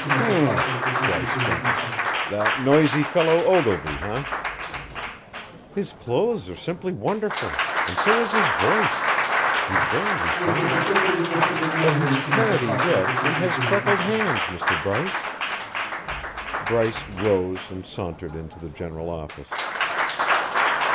"Hum m m!" Bryce grunted. "That noisy fellow Ogilvy, eh?" "His clothes are simply wonderful and so is his voice. He's very refined. But he's carroty red and has freckled hands, Mr. Bryce." Bryce rose and sauntered into the general office.